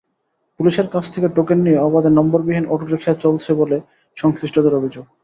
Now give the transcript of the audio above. পুলিশের কাছ থেকে টোকেন নিয়ে অবাধে নম্বরবিহীন অটোরিকশা চলছে বলে সংশ্লিষ্টদের অভিযোগ।